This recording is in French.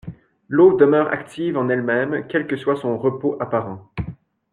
L'eau demeure active en elle-même, quel que soit son repos apparent.